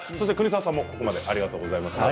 國澤さん、ここまでありがとうございました。